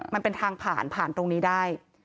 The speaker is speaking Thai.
มันเป็นทางผ่านผ่านตรงนี้ได้